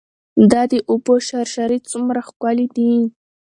دا د اوبو شرشرې څومره ښکلې دي.